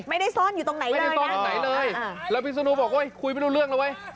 ไม่ได้ซ่อนอยู่ตรงไหนเลยไม่ได้ซ่อนตรงไหนเลยแล้วพิศนุบอกโอ้ยคุยไม่รู้เรื่องแล้วเว้ย